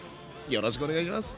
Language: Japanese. よろしくお願いします。